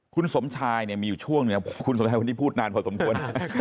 คุณสมชายมีอยู่ช่วงคุณสมชายวันนี้พูดนานพอสมควร